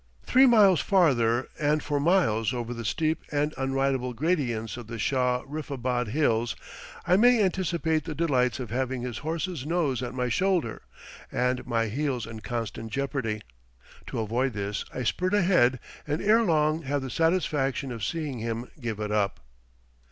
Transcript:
Three miles farther, and for miles over the steep and unridable gradients of the Shah riffabad hills, I may anticipate the delights of having his horse's nose at my shoulder, and my heels in constant jeopardy. To avoid this, I spurt ahead, and ere long have the satisfaction of seeing him give it up.